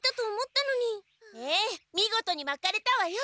ええ見事にまかれたわよ。